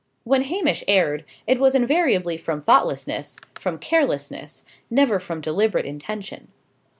When Hamish erred, it was invariably from thoughtlessness from carelessness never from deliberate intention.